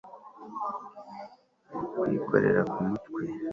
kwikorera ku mutwe